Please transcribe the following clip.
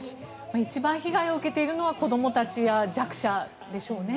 一番被害を受けているのは子どもたちや弱者でしょうね。